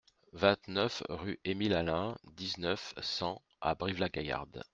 vingt-neuf rue Émile Alain, dix-neuf, cent à Brive-la-Gaillarde